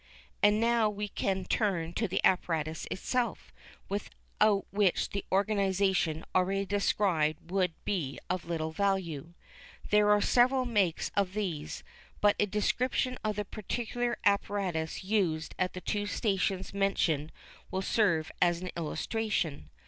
And now we can turn to the apparatus itself, without which the organisation already described would be of little value. There are several makes of these, but a description of the particular apparatus used at the two stations mentioned will serve as an illustration.